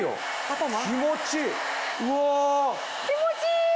気持ちいい！